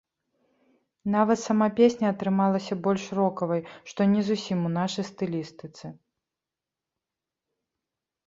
Нават сама песня атрымалася больш рокавай, што не зусім у нашай стылістыцы.